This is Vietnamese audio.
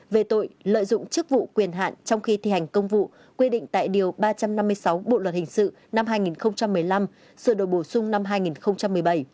về tội lợi dụng chức vụ quyền hạn trong khi thi hành công vụ quy định tại điều ba trăm năm mươi sáu bộ luật hình sự năm hai nghìn một mươi năm sự đổi bổ sung năm hai nghìn một mươi bảy